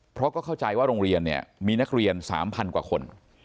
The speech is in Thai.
เพราะก็เข้าใจว่าโรงเรียนเนี่ยมีนักเรียน๓๐๐กว่าคน